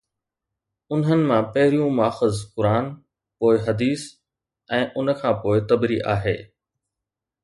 انهن مان پهريون ماخذ قرآن، پوءِ حديث ۽ ان کان پوءِ طبري آهي.